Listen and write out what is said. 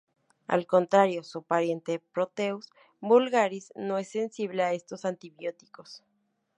Al contrario, su pariente "Proteus vulgaris", no es sensible a esos antibióticos.